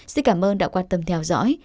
xin cảm ơn đã quan tâm theo dõi